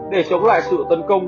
để chống lại sự tấn công